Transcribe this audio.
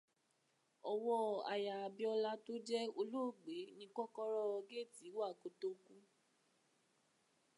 Ọwọ́ aya Abíọ́lá tó jẹ́ olóògbé ni kọ́kọ́rọ́ géètì wà kó tó kú.